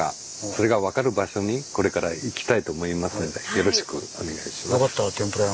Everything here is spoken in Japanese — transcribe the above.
よろしくお願いします。